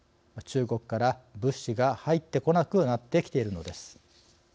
中国から物資が入ってこなくなってきているのです。